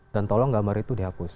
dan tolong gambar itu dihapus